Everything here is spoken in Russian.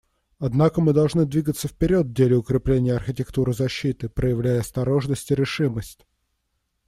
Однако мы должны двигаться вперед в деле укрепления архитектуры защиты, проявляя осторожность и решимость.